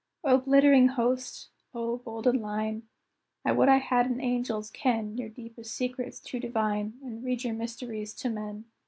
"O, glittering host! O, golden line! I would I had an angel's ken, Your deepest secrets to divine, And read your mysteries to men.